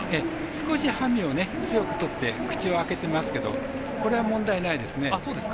少し馬銜を強くとって口を開けてますけどこれは問題ないですね。